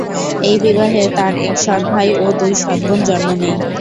এই বিবাহে তার এক সৎ ভাই ও দুই সৎ বোন জন্ম নেয়।